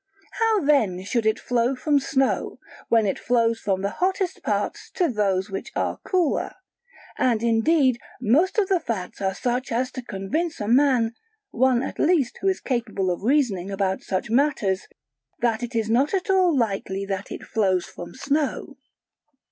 How then should it flow from snow, when it flows from the hottest parts to those which are cooler? And indeed most of the facts are such as to convince a man (one at least who is capable of reasoning about such matters), that it is not at all likely that it flows from snow.